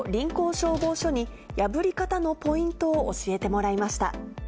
消防署に、破り方のポイントを教えてもらいました。